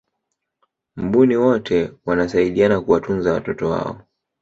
mbuni wote wanasaidiana kuwatunza watoto wao